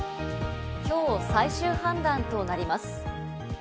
きょう最終判断となります。